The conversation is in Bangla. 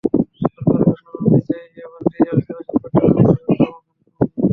সরকারের ঘোষণা অনুযায়ী, এবার ডিজেল, কেরোসিন, পেট্রল, অকটেনের দামও খানিক কমবে।